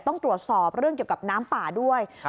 ต้องตรวจสอบเรื่องเกี่ยวกับน้ำป่าด้วย